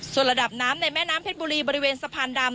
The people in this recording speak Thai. ส่วนระดับน้ำในแม่น้ำเพชรบุรีบริเวณสะพานดำ